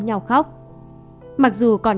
nhau khóc mặc dù con